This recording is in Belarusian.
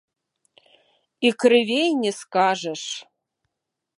І крывей не скажаш.